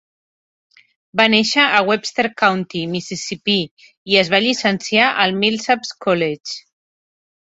Va néixer a Webster County, Mississipí, i es va llicenciar al Millsaps College.